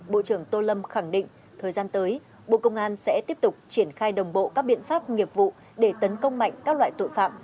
bộ trưởng tô lâm khẳng định thời gian tới bộ công an sẽ tiếp tục triển khai đồng bộ các biện pháp nghiệp vụ để tấn công mạnh các loại tội phạm